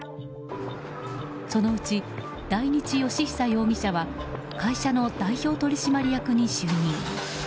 そのうち、大日睦久容疑者は会社の代表取締役に就任。